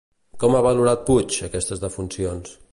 Com ha valorat Puig aquestes defuncions?